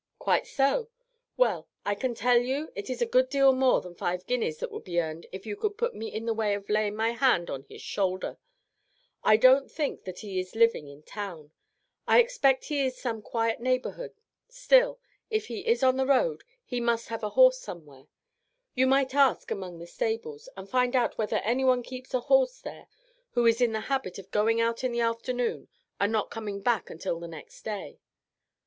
"Quite so; well, I can tell you it is a good deal more than five guineas that would be earned if you could put me in the way of laying my hand on his shoulder. I don't think that he is living in town. I expect he is in some quiet neighborhood; still, if he is on the road, he must have a horse somewhere. You might ask among the stables, and find out whether anyone keeps a horse there who is in the habit of going out in the afternoon and not coming back until the next day.